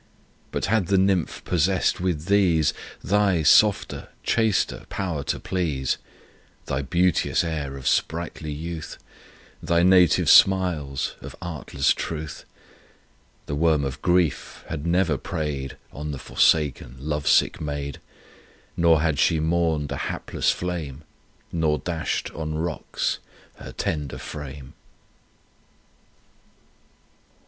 2 But had the nymph possess'd with these Thy softer, chaster power to please, Thy beauteous air of sprightly youth, Thy native smiles of artless truth 3 The worm of grief had never prey'd On the forsaken love sick maid; Nor had she mourn'd a hapless flame, Nor dash'd on rocks her tender frame.